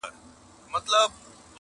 خو اوس نه وینمه هیڅ سامان په سترګو -